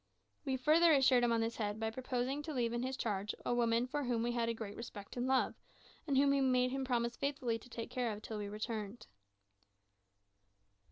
We further assured him on this head by proposing to leave in his charge a woman for whom we had a great respect and love, and whom we made him promise faithfully to take care of till we returned.